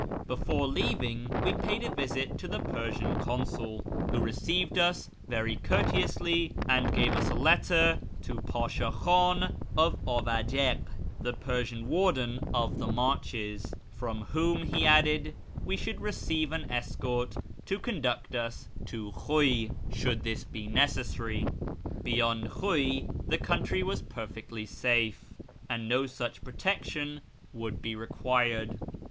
Before leaving we paid a visit to the Persian Consul, who received us very courteously, and gave us a letter to Pasha Khan of Avajik, the Persian Warden of the Marches, from whom, he added, we should receive an escort to conduct us to Khuy, should this be necessary. Beyond Klmy the country was perfectly safe, and no such protection would be required.